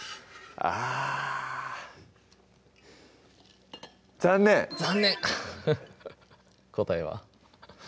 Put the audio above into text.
あ残念残念か答えは？